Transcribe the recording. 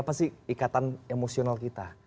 apa sih ikatan emosional kita